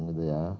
panjang gitu ya